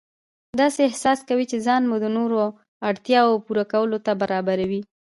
داسې احساس کوئ چې ځان مو د نورو اړتیاوو پوره کولو ته برابروئ.